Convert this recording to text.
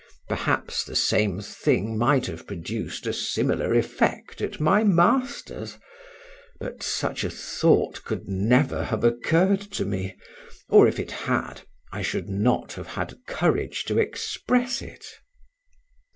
Perhaps the same thing might have produced a similar effect at my master's, but such a thought could never have occurred to me, or, if it had, I should not have had courage to express it.